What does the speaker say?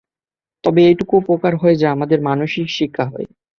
তবে এইটুকু উপকার হয় যে, আমাদের মানসিক শিক্ষা হয়।